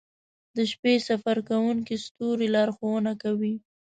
• د شپې سفر کوونکي ستوري لارښونه کوي.